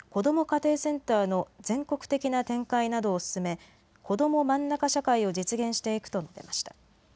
家庭センターの全国的な展開などを進めこどもまんなか社会を実現していくと述べました。